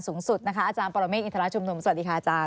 สูงสุดนะคะอาจารย์ปรเมฆอินทรชุมนุมสวัสดีค่ะอาจารย